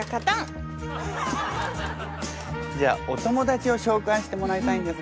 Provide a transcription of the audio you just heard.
じゃあお友達を紹介してもらいたいんですが。